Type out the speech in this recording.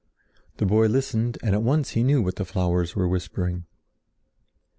The boy listened and at once he knew what the flowers were whispering.